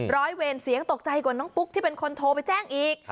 ร้อยเวรเสียงตกใจกว่าน้องปุ๊กที่เป็นคนโทรไปแจ้งอีก